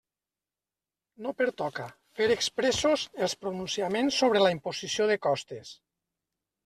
No pertoca fer expressos els pronunciaments sobre la imposició de costes.